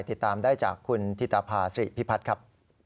ติดตามได้จากคุณธิตภาษิริพิพัฒน์ครับ